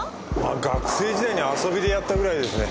学生時代に遊びでやったくらいですね。